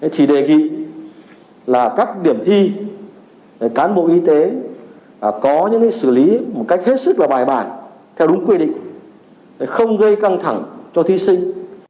chỉ đề nghị là các điểm thi cán bộ y tế có những xử lý một cách hết sức là bài bản theo đúng quy định không gây căng thẳng cho thí sinh